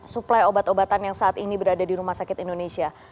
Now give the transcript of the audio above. suplai obat obatan yang saat ini berada di rumah sakit indonesia